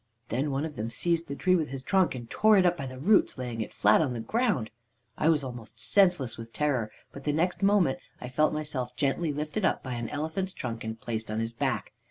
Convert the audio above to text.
Then one of them seized the tree with his trunk, and tore it up by the roots, laying it flat on the ground. "I was almost senseless with terror, but the next moment I felt myself gently lifted up by an elephant's trunk, and placed on his back.